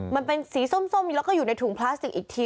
มันเป็นสีส้มแล้วก็อยู่ในถุงพลาสติกอีกที